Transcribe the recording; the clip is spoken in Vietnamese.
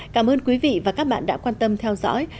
cảm ơn quý vị và các bạn đã quan tâm theo dõi